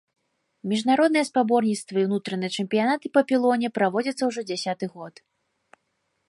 Міжнародныя спаборніцтвы і ўнутраныя чэмпіянаты па пілоне праводзяцца ўжо дзясяты год.